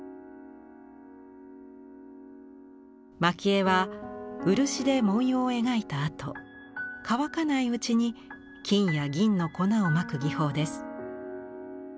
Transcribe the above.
蒔絵は漆で文様を描いたあと乾かないうちに金や銀の粉をまく技法です。